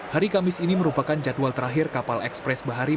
hari kamis ini merupakan jadwal terakhir kapal ekspres bahari